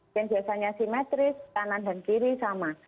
yang biasanya simetris kanan dan kiri sama